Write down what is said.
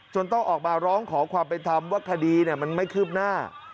จนต้องออกมาร้องขอความเป็นธรรมว่าคดีเนี่ยมันไม่ขึ้นหน้า